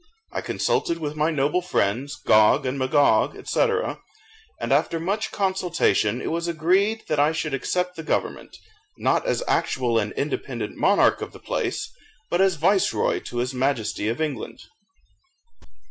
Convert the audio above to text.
I consulted with my noble friends, Gog and Magog, &c., and after much consultation it was agreed that I should accept the government, not as actual and independent monarch of the place, but as viceroy to his Majesty of England.